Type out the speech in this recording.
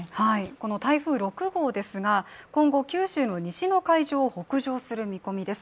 この台風６号ですが、今後、九州の西の海上を北上する見込みです。